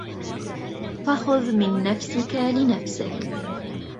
فَخُذْ مِنْ نَفْسِك لِنَفْسِك